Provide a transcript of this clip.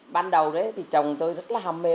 ban đầu thì chồng tôi rất là hâm mê